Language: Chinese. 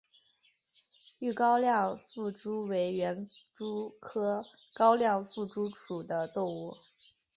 豫高亮腹蛛为园蛛科高亮腹蛛属的动物。